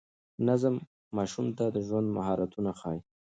نظم ماشوم ته د ژوند مهارتونه ښيي.